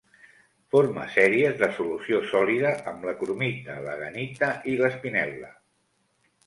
Forma sèries de solució sòlida amb la cromita, la gahnita i l'espinel·la.